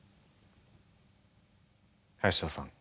林田さん